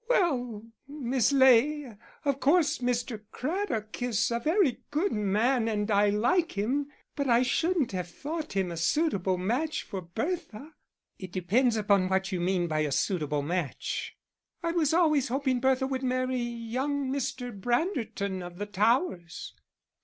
"Well, Miss Ley, of course Mr. Craddock is a very good young man and I like him, but I shouldn't have thought him a suitable match for Bertha." "It depends upon what you mean by a suitable match." "I was always hoping Bertha would marry young Mr. Branderton of the Towers."